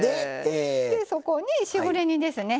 そこにしぐれ煮ですね。